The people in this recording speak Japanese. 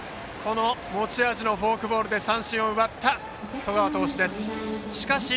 持ち味のフォークボールで三振を奪った十川投手です。